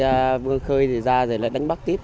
rồi vươn khơi thì ra rồi lại đánh bắt tiếp